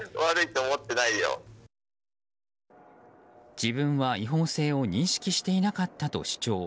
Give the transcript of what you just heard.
自分は違法性を認識していなかったと主張。